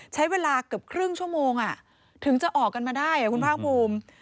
ใช้เวลาเกือบครึ่งชั่วโมงถึงจะออกกันมาได้คุณภาคภูมิ